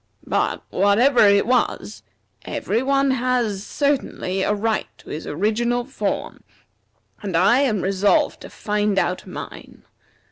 But, whatever it was, every one has certainly a right to his original form, and I am resolved to find out mine.